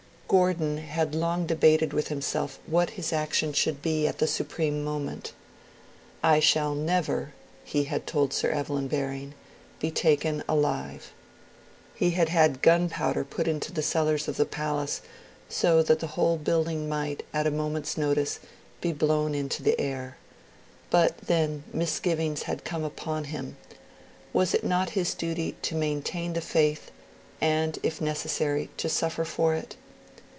Gordon had long debated with himself what his action should be at the supreme moment. 'I shall never (D.V.),' he had told Sir Evelyn Baring, 'be taken alive.' He had had gunpowder put into the cellars of the palace, so that the whole building might, at a moment's notice, be blown into the air. But then misgivings had come upon him; was it not his duty 'to maintain the faith, and, if necessary, to suffer for it'?